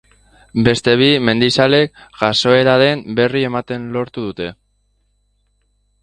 Beste bi mendizalek jazoeraren berri ematen lortu dute.